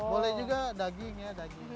boleh juga daging ya